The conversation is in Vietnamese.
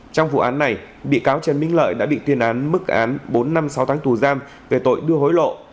trong vụ án này bị cáo trần minh lợi đã bị tuyên án mức án bốn năm sáu tháng tù giam về tội đưa hối lộ